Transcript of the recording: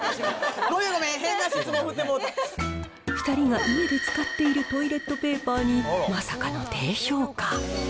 ごめん、ごめん、２人が家で使っているトイレットペーパーに、まさかの低評価。